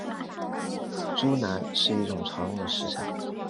猪腩是一种常用的食材。